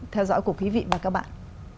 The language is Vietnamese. theo dõi của quý vị và các bạn